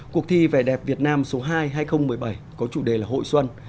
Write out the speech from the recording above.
cuộc thi vẻ đẹp việt nam số hai hai nghìn một mươi bảy có chủ đề là hội xuân